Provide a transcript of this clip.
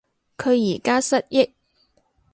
佢而家失憶